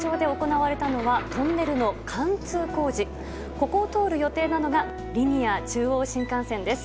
ここを通る予定なのがリニア中央新幹線です。